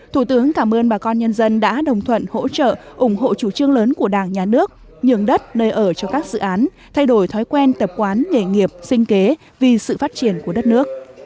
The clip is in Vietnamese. thủ tướng cảm ơn bà con nhân dân đã đồng thuận hỗ trợ ủng hộ chủ trương lớn của đảng nhà nước nhường đất nơi ở cho các dự án thay đổi thói quen tập quán nghề nghiệp sinh kế vì sự phát triển của đất nước